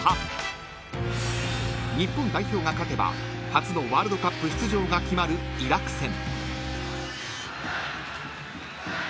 ［日本代表が勝てば初のワールドカップ出場が決まるイラク戦］